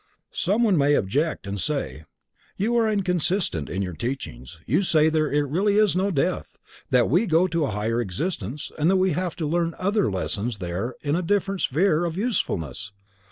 Some one may object, and say: You are inconsistent in your teachings. You say there is really no death, that we go into a brighter existence, and that we have to learn other lessons there in a different sphere of usefulness!